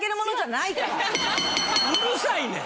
うるさいねん。